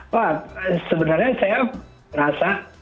wah sebenarnya saya merasa